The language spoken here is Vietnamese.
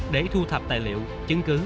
để thu thập tài liệu chứng cứ